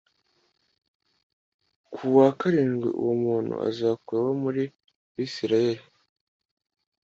ku wa karindwi uwo muntu azakur we mu Bisirayeli